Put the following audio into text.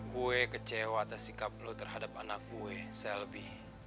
gue kecewa atas sikap lo terhadap anak gue selbi